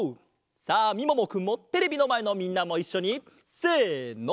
さあみももくんもテレビのまえのみんなもいっしょにせの！